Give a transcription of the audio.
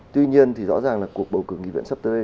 tuy nhiên thì rõ ràng là cuộc bầu cử nghị viện sắp tới